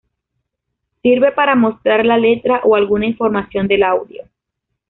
Sirve para mostrar la letra o alguna información del audio.